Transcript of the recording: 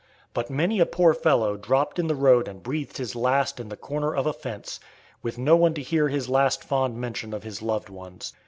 But many a poor fellow dropped in the road and breathed his last in the corner of a fence, with no one to hear his last fond mention of his loved ones.